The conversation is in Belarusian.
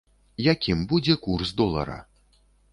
Якім будзе курс долара?